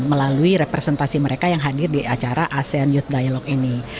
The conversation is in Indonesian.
melalui representasi mereka yang hadir di acara asean youth dialogue ini